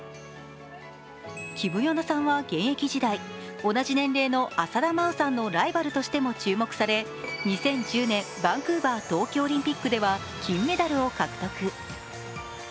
キム・ヨナさんは現役時代、同じ年齢の浅田真央さんのライバルとしても注目され、２０１０年バンクーバー冬季オリンピックでは、金メダルを獲得。